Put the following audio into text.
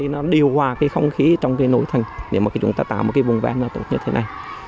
nó điều hòa không khí trong nội thành để chúng ta tạo một vùng vẹn như thế này